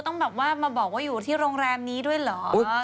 ต้องแบบว่ามาบอกว่าอยู่ที่โรงแรมนี้ด้วยเหรอ